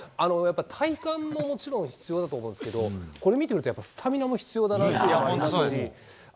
体幹ももちろん必要だと思いますけどこれを見ているとスタミナも必要だなと思いますし。